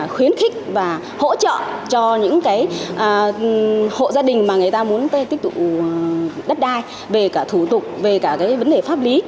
là khuyến khích và hỗ trợ cho những cái hộ gia đình mà người ta muốn tích tụ đất đai về cả thủ tục về cả cái vấn đề pháp lý